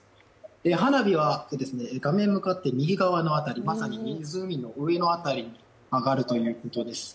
花火は画面向かって右側の辺りまさに湖の上辺りに上がるということです。